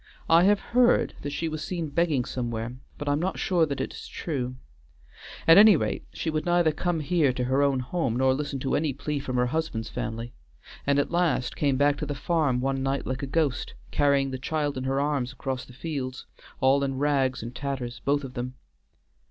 I have heard that she was seen begging somewhere, but I am not sure that it is true; at any rate she would neither come here to her own home nor listen to any plea from her husband's family, and at last came back to the farm one night like a ghost, carrying the child in her arms across the fields; all in rags and tatters, both of them.